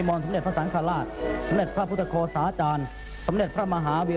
วันที่๕พฤษภาคม๒๔๙๓เวลา๙นาที